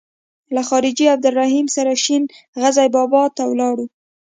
له حاجي عبدالرحیم سره شین غزي بابا ته ولاړو.